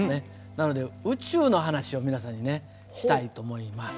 なので宇宙の話を皆さんにしたいと思います。